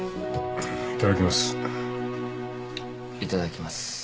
いただきます。